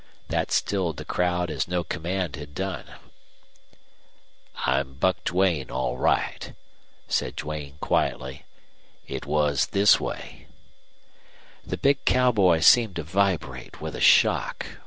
That stilled the crowd as no command had done. "I'm Buck Duane, all right." said Duane, quietly. "It was this way " The big cowboy seemed to vibrate with a shock.